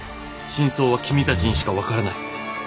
「真相は君たちにしかわからない」。